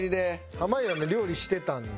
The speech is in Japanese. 濱家はね料理してたんで。